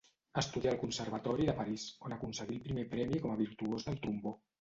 Estudià al Conservatori de París, on aconseguí el primer premi com a virtuós del trombó.